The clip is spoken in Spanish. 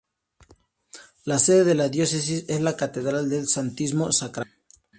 La sede de la Diócesis es la Catedral del Santísimo Sacramento.